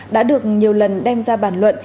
đã được nhiều lần đem ra bàn luận